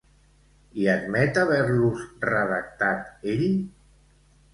I admet haver-los redactat ell?